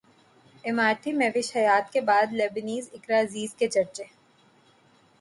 اماراتی مہوش حیات کے بعد لبنانی اقرا عزیز کے چرچے